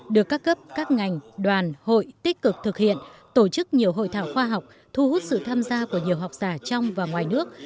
được các cấp các ngành đoàn hội tích cực thực hiện tổ chức nhiều hội thảo khoa học thu hút sự tham gia của nhiều học giả trong và ngoài nước